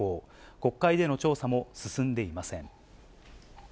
国会での調査も進んでいません。